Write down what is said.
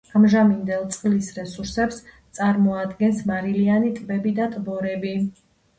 ამჟამინდელ წყლის რესურსებს წარმოადგენს მარილიანი ტბები და ტბორები.